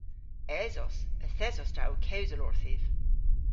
Esos. Yth esos ta ow kewsel orthiv.